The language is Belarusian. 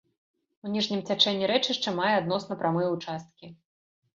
У ніжнім цячэнні рэчышча мае адносна прамыя ўчасткі.